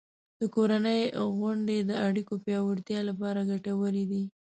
د کورنۍ غونډې د اړیکو پیاوړتیا لپاره ګټورې دي.